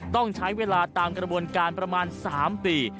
ต้องใช้เวลาตามกระบวนการประมาณ๓ปี